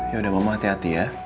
yaudah mama hati hati ya